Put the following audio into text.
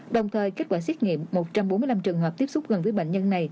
đồng thời kết quả xét nghiệm một trăm bốn mươi năm trường hợp tiếp xúc gần với bệnh nhân này